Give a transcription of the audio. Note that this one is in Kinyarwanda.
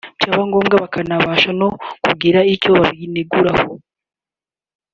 byaba ngombwa bakabasha no kugira icyo babineguraho